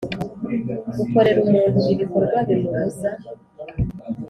ukorera umuntu ibikorwa bimubuza